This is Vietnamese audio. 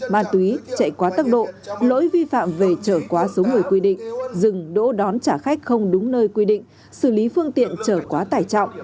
ma túy chạy quá tốc độ lỗi vi phạm về trở quá số người quy định dừng đỗ đón trả khách không đúng nơi quy định xử lý phương tiện trở quá tải trọng